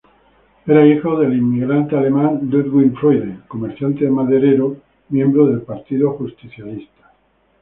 Era hijo del inmigrante alemán Ludwig Freude, comerciante maderero miembro del Partido Justicialista.